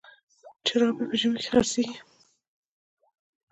جراپي په ژمي کي خرڅیږي.